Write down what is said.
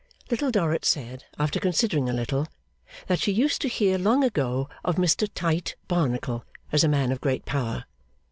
Little Dorrit said, after considering a little, that she used to hear long ago of Mr Tite Barnacle as a man of great power.